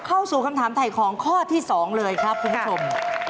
เข้าสู่คำถามถ่ายของข้อที่๒เลยครับคุณผู้ชม